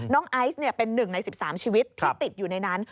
น้องไอซ์เป็นหนึ่งใน๑๓ชีวิตที่ติดอยู่ในนั้น